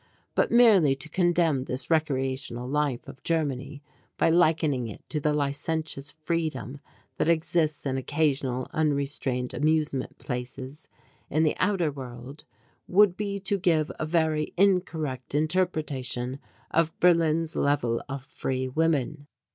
But merely to condemn this recreational life of Germany, by likening it to the licentious freedom that exists in occasional unrestrained amusement places in the outer world, would be to give a very incorrect interpretation of Berlin's Level of Free Women.